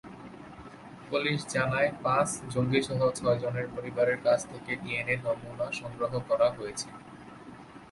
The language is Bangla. পুলিশ জানায়, পাঁচ জঙ্গিসহ ছয়জনের পরিবারের কাছ থেকে ডিএনএ নমুনা সংগ্রহ করা হয়েছে।